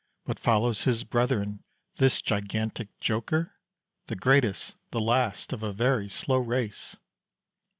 But follows his brethren this gigantic joker? The greatest the last of a very slow race.